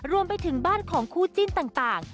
รวมไปถึงบ้านของคู่จิ้นต่าง